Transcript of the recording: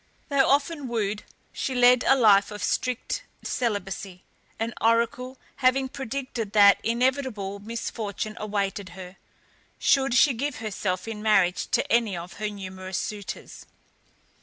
Though often wooed, she led a life of strict celibacy, an oracle having predicted that inevitable misfortune awaited her, should she give herself in marriage to any of her numerous suitors.